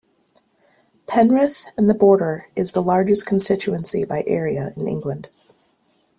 Penrith and The Border is the largest constituency by area in England.